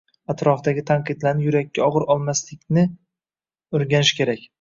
atrofdagi tanqidlarni yurakka og‘ir olmaslikni o‘rganish kerak.